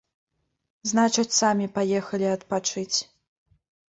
Значыць, самі паехалі адпачыць.